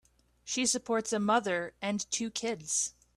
She supports a mother and two kids.